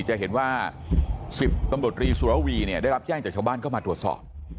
จะเห็นว่า๑๐ตำรวจรีสุรวีเนี่ยได้รับแจ้งจากชาวบ้านเข้ามาตรวจสอบ